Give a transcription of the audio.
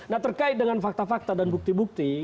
nah terkait dengan fakta fakta dan bukti bukti